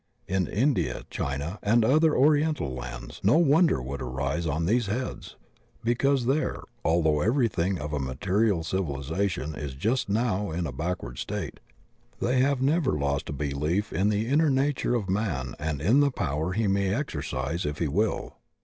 In India, China, and other Oriental lands no wonder would arise on these heads, because there, although everything of a material civilization is just now in a backward state, they have never lost a belief in the inner nature of man and in the power he may exercise if he will.